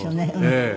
ええ。